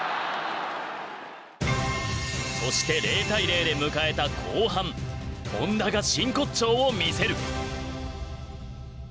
そして０対０で迎えた後半ホンダが真骨頂を見せる。